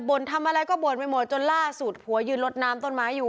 ทำอะไรก็บ่นไปหมดจนล่าสุดผัวยืนลดน้ำต้นไม้อยู่